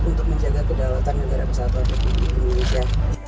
untuk menjaga kedaeratan negara pesawat torpedo di indonesia